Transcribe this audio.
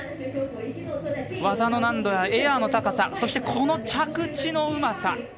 技の難度やエアの高さそしてこの着地のうまさ。